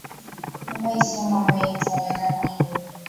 Nyumba isio mwamba itaenda na pepo